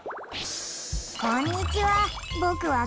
こんにちは！